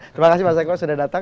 terima kasih mas eko sudah datang